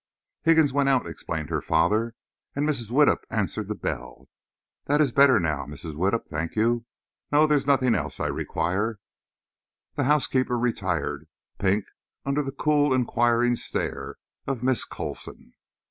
"Higgins went out," explained her father, "and Mrs. Widdup answered the bell. That is better now, Mrs. Widdup, thank you. No; there is nothing else I require." The housekeeper retired, pink under the cool, inquiring stare of Miss Coulson.